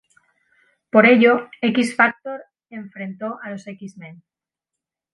Por ello, X-Factor enfrentó a los X-Men.